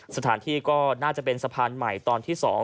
สถานที่ก็น่าจะเป็นสะพานใหม่ตอนที่๒